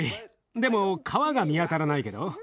でも皮が見当たらないけど。